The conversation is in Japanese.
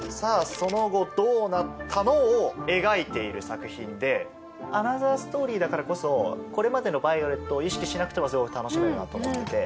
その後どうなったの？を描いている作品でアナザーストーリーだからこそこれまでのヴァイオレットを意識しなくてもすごく楽しめるなと思ってて。